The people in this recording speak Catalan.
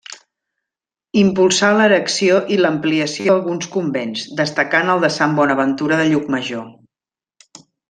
Impulsà l'erecció i l'ampliació d'alguns convents, destacant el de Sant Bonaventura de Llucmajor.